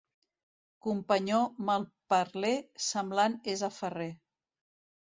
Companyó malparler semblant és a ferrer.